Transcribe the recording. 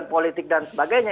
ketua politik dan sebagainya